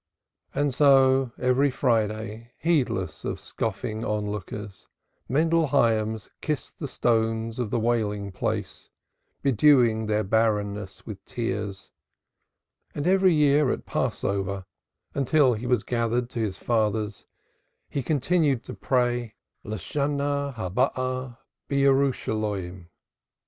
And so every Friday, heedless of scoffing on lookers, Mendel Hyams kissed the stones of the Wailing Place, bedewing their barrenness with tears; and every year at Passover, until he was gathered to his fathers, he continued to pray: "Next year in Jerusalem!" CHAPTER XVIII.